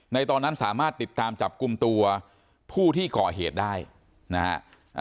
ตอนนั้นสามารถติดตามจับกลุ่มตัวผู้ที่ก่อเหตุได้นะฮะ